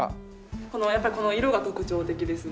やっぱりこの色が特徴的ですね。